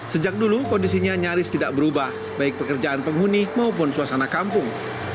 sejak dulu kondisinya nyaris tidak berubah baik pekerjaan penghuni maupun suasana kampung